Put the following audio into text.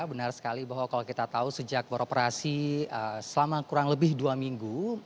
benar sekali bahwa kalau kita tahu sejak beroperasi selama kurang lebih dua minggu